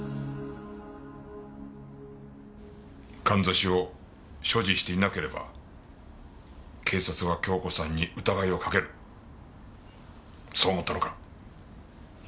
かんざしを所持していなければ警察は京子さんに疑いをかけるそう思ったのか。